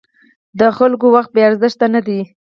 د خلکو وخت بې ارزښته نه دی.